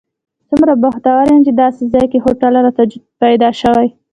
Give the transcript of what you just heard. څومره بختور یم چې داسې ځای کې هوټل راته پیدا شوی.